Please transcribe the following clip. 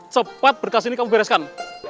cepat berkas ini kamu bereskan